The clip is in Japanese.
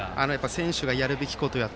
選手がやるべきことをやった。